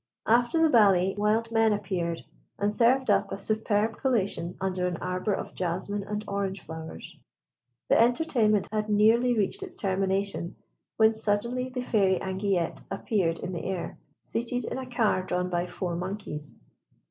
After the ballet wild men appeared, and served up a superb collation under an arbour of jasmine and orange flowers. The entertainment had nearly reached its termination, when suddenly the Fairy Anguillette appeared in the air, seated in a car drawn by four monkeys.